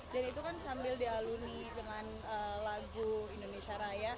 dan itu kan sambil dialuni dengan lagu indonesia raya